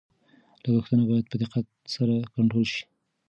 لګښتونه باید په دقت سره کنټرول شي.